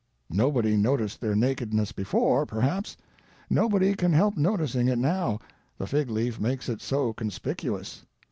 Nobody noticed their nakedness before, perhaps; nobody can help noticing it now, the fig leaf makes it so conspicuous.